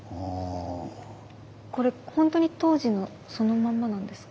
これほんとに当時のそのまんまなんですか？